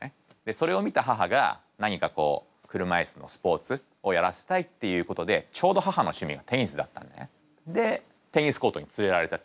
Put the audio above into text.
それを見た母が何かこう車いすのスポーツをやらせたいっていうことでちょうど母の趣味がテニスだったんでねでテニスコートに連れられた。